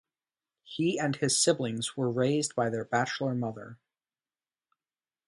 He and his siblings were raised by their bachelor mother.